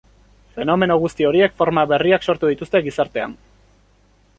Fenomeno guzti horiek forma berriak sortu dituzte gizartean.